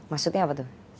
maksudnya apa tuh